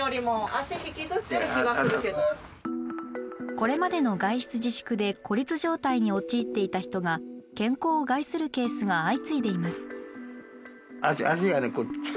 これまでの外出自粛で孤立状態に陥っていた人が健康を害するケースが相次いでいます。